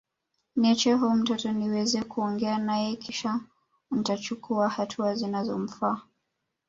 Niachie huyu mtoto niweze kuongea naye kisha nitachukua hatua zinazomfaa